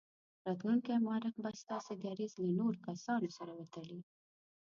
راتلونکی مورخ به ستاسې دریځ له نورو کسانو سره وتلي.